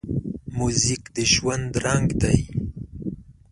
موزیک د ژوند رنګ دی.